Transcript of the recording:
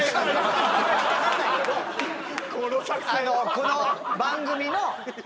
この番組の。